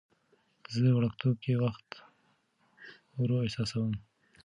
زه وړوکتوب کې وخت ورو احساسوم.